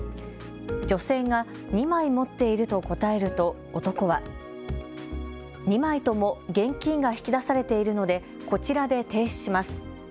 女性が２枚持っていると答えると男は２枚とも現金が引き出されているのでこちらで停止します。